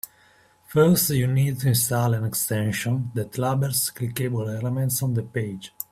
First, you need to install an extension that labels clickable elements on the page.